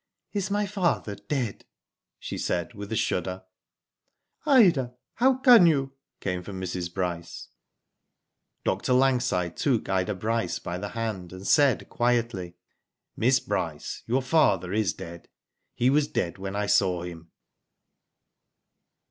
"Is my father dead?" she said, with a shudder. " Ida, how can you ?" came from Mrs. Bryce. Digitized byGoogk 22 WHO DID ITf Dr. Langside took Ida Bryce by the hand, and said, quietly :" Miss Bryce your father is dead. He was dead when I saw him."